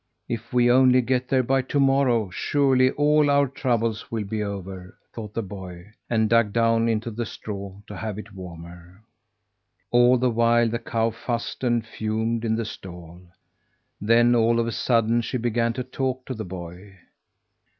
"If we only get there by to morrow, surely all our troubles will be over," thought the boy, and dug down into the straw to have it warmer. All the while the cow fussed and fumed in the stall. Then, all of a sudden, she began to talk to the boy.